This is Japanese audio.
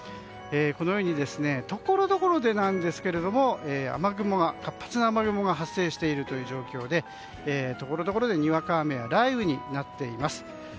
このようにところどころですけど活発な雨雲が発生している状況でところどころでにわか雨や雷雨になっています。